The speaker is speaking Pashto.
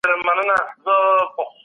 جزيه مالي مکلفيت دی.